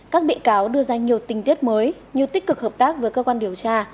các bị cáo đưa ra nhiều tình tiết mới nhiều tích cực hợp tác với cơ quan điều tra